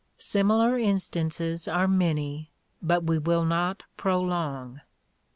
Similar instances are many but we will not prolong.